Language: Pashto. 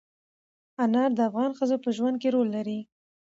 انار د افغان ښځو په ژوند کې رول لري.